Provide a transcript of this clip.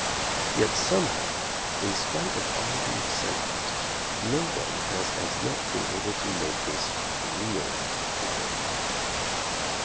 Yet somehow, in spite of all the excitement, nobody has as yet been able to make this real to him.